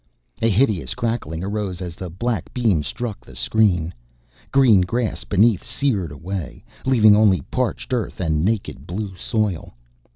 A hideous crackling arose as the black beam struck the screen. Green grass beneath seared away, leaving only parched earth and naked blue soil.